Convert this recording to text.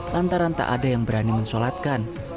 lantaran tak ada yang berani mensolatkan